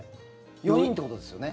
４人ってことですよね？